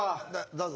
どうぞ。